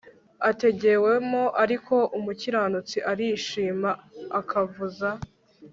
ategewemo Ariko umukiranutsi arishima akavuza